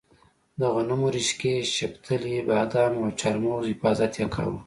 د غنمو، رشقې، شپتلې، بادامو او چارمغزو حفاظت یې کاوه.